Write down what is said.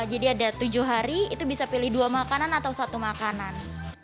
jadi ada tujuh hari itu bisa pilih dua makanan atau satu makanan